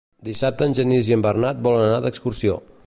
Dissabte en Genís i en Bernat volen anar d'excursió.